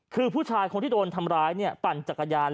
คือผู้ชายคนที่โดนทำร้ายเนี่ยปั่นจักรยาน